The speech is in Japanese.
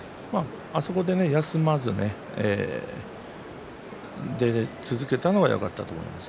あそこで休まず出続けたのがよかったと思います。